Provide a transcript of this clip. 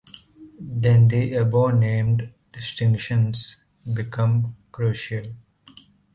Then the above named distinctions become crucial.